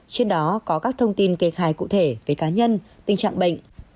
trước đó có các thông tin kê khai cụ thể về cá nhân tình trạng bệnh